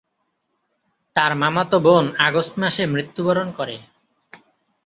তার মামাতো বোন আগস্ট মাসে মৃত্যুবরণ করে।